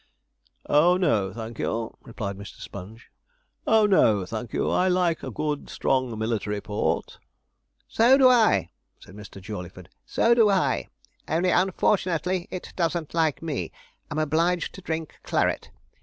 'Oh no, thank you,' replied Mr. Sponge, 'oh no, thank you. I like good strong military port.' 'So do I,' said Mr. Jawleyford, 'so do I; only unfortunately it doesn't like me am obliged to drink claret.